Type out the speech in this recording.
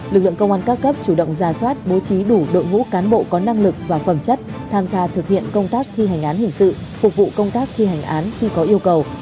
lực lượng công an các cấp chủ động ra soát bố trí đủ đội ngũ cán bộ có năng lực và phẩm chất tham gia thực hiện công tác thi hành án hình sự phục vụ công tác thi hành án khi có yêu cầu